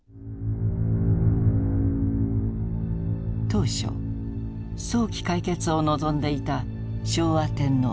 当初早期解決を望んでいた昭和天皇。